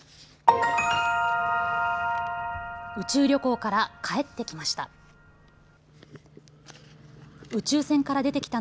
宇宙旅行から帰ってきました。